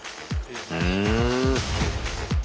うん。